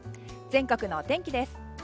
全国のお天気です。